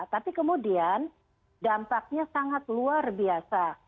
tapi kemudian dampaknya sangat luar biasa